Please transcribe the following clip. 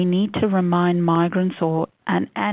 kita harus mengingatkan para migran dan